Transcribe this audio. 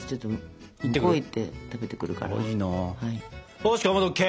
よしかまどＯＫ！